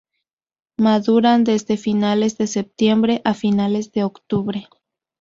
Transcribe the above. Maduran desde finales de septiembre a finales de octubre.